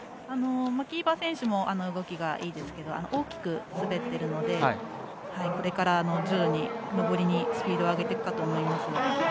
マキーバー選手も動きがいいですけども大きく滑っているのでこれから徐々に上りにスピードを上げていくかと思います。